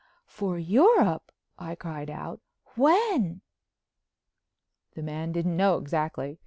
"For Europe!" I cried out. "When?" "The man didn't know exactly.